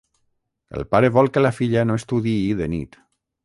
El pare vol que la filla no estudiï de nit.